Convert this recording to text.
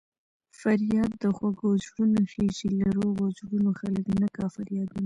فریاد د خوږو زړونو خېژي له روغو زړونو خلک نه کا فریادونه